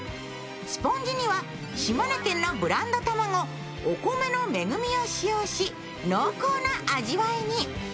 スポンジには島根県のブランド卵、おこめのめぐみを使用し、濃厚な味わいに。